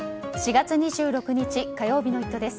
４月２６日、火曜日の「イット！」です。